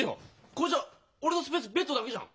これじゃ俺のスペースベッドだけじゃん。